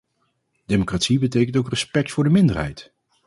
Democratie betekent ook respect voor de minderheid.